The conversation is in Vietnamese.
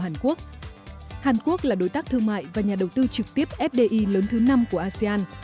hàn quốc là đối tác thương mại và nhà đầu tư trực tiếp fdi lớn thứ năm của asean